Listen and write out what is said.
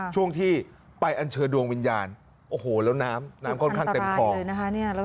ช่วงที่ไปอันเชอดวงวิญญาณแล้วน้ำค่อนข้างเต็มคลอง